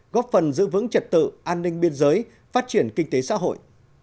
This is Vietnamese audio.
góp phần giữ vững trật tự an ninh biên giới phát triển kinh tế xã hội